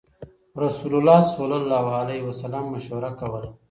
رسول الله صلی الله عليه وسلم مشوره کوله.